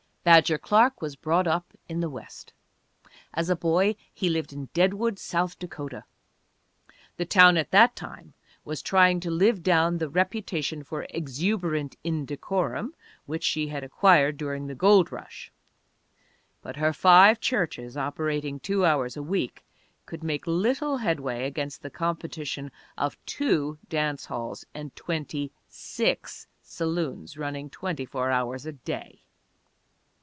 Badger Clark was brought up in the West. As a boy he lived in Deadwood, South Dakota. The town at that time was trying to live down the reputation for exuberant indecorum which she had acquired during the gold rush; but her five churches operating two hours a week could make little headway against the competition of two dance halls and twenty six saloons running twenty four hours a day.